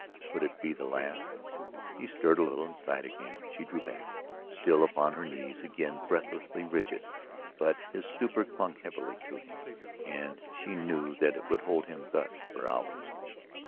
Would it be the last? He stirred a little and sighed again. She drew back, still upon her knees again breathlessly rigid. But his stupor clung heavily to him, and she knew that it would hold him thus for hours.